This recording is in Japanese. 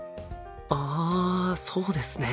あそうですね。